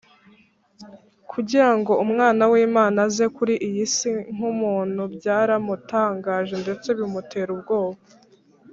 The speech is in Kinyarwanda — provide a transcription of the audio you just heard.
. Kugira ngo Umwana w’Imana aze kuri iyi isi nk’umuntu, byaramutangaje ndetse bimutera ubwoba